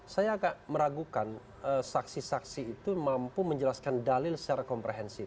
saya agak meragukan saksi saksi itu mampu menjelaskan dalil secara komprehensif